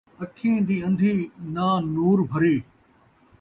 اکھیں دی اندھی ناں نور بھری